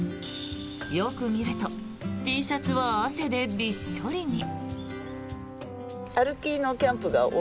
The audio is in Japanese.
よく見るとＴシャツは汗でびっしょりに。